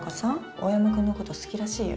大山くんのこと好きらしいよ。